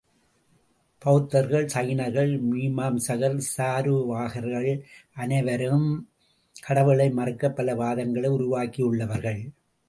பெளத்தர்கள், ஜைனர்கள், மீமாம்சகர், சாருவாகர்கள் அனைவரும் கடவுளை மறுக்கப் பல வாதங்களை உருவாக்கியவர்கள்.